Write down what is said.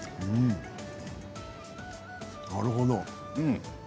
なるほど。